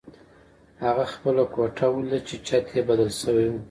هغه خپله کوټه ولیده چې چت یې بدل شوی و